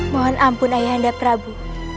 mohon ampun ayah anda prabu